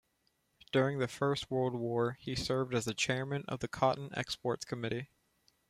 During the First World War he served as Chairman of the Cotton Exports Committee.